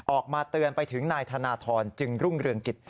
ออกมาเตือนไปถึงนายธนทรจึงรุ่งเรืองกิจ